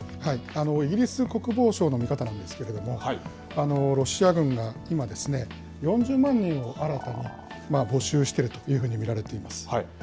イギリス国防省の見方なんですけれども、ロシア軍が今、４０万人を新たに募集しているというふうに見られています。